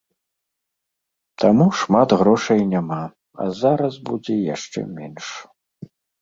Таму шмат грошай няма, а зараз будзе яшчэ менш.